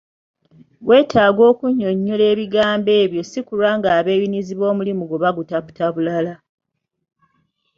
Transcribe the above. Weetaaga okunnyonnyola ebigambo ebyo ssi kulwa ng'abeeyunizi b’omulimu gwo bagutaputa bulala.